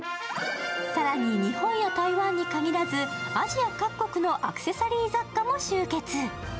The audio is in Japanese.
更に、日本や台湾に限らず、アジア各国のアクセサリー雑貨も集結。